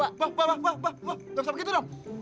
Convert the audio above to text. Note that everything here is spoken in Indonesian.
wah wah wah gak bisa begitu rom